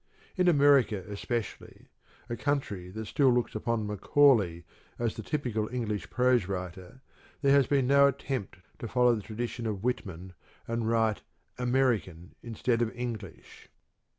In America especially, a country that still looks upon Macaulay as the typical English prose writer, there has been no attempt to follow the tradition of Whitman and write American instead of English.